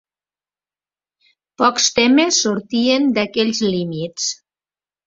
Pocs temes sortien d'aquells límits.